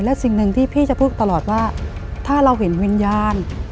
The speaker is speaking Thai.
และสิ่งหนึ่งที่พี่จะพูดตลอดว่าถ้าเราเห็นวิญญาณ